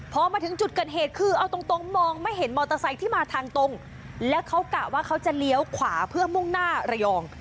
พอมาถึงจุดเกิดเหตุคือเอาตรงตรงมองไม่เห็นมอเตอร์ไซค์ที่มาทางตรงแล้วเขากะว่าเขาจะเลี้ยวขวาเพื่อมุ่งหน้าระยอง